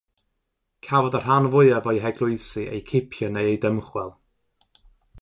Cafodd y rhan fwyaf o'u heglwysi eu cipio neu eu dymchwel.